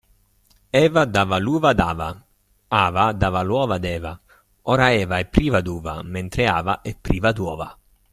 Eva dava l'uva ad Ava, Ava dava l'uova ad Eva, ora Eva è priva d'uva, mentre Ava è priva d'uova.